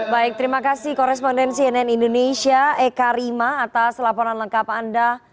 baik terima kasih koresponden cnn indonesia eka rima atas laporan lengkap anda